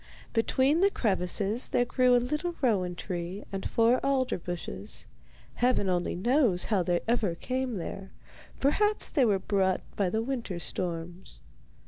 Between the crevices there grew a little rowan tree and four alder bushes. Heaven only knows how they ever came there; perhaps they were brought by the winter storms.